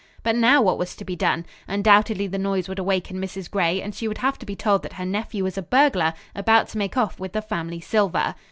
But now, what was to be done? Undoubtedly the noise would awaken Mrs. Gray and she would have to be told that her nephew was a burglar about to make off with the family silver.